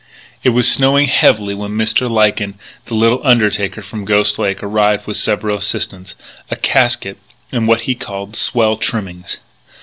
It was snowing heavily when Mr. Lyken, the little undertaker from Ghost Lake, arrived with several assistants, a casket, and what he called "swell trimmings."